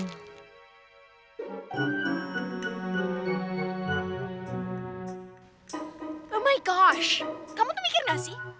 kalau my gosh kamu tuh mikir gak sih